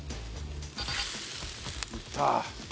いった！